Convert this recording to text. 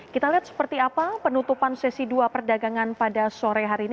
kita lihat seperti apa penutupan sesi dua perdagangan pada sore hari ini